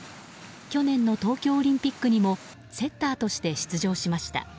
去年の東京オリンピックにもセッターとして出場しました。